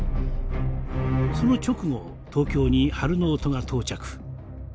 その直後東京にハル・ノートが到着。